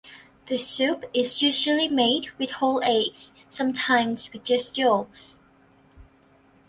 The soup is usually made with whole eggs; sometimes with just yolks.